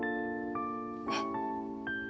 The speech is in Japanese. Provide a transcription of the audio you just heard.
えっ？